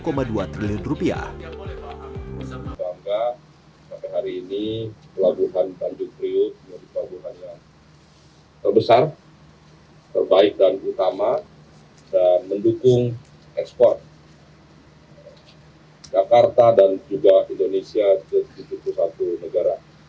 sampai hari ini pelabuhan tanjung priok menjadi pelabuhan yang terbesar terbaik dan utama dan mendukung ekspor jakarta dan juga indonesia ke tujuh puluh satu negara